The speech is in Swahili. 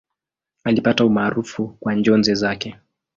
Alipata umaarufu kwa njozi zake.